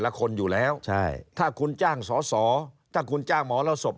ละคนอยู่แล้วใช่ถ้าคุณจ้างสอสอถ้าคุณจ้างหมอแล้วศพ